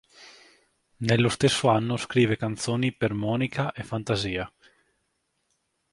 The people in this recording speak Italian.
Nello stesso anno scrive canzoni per Monica e Fantasia.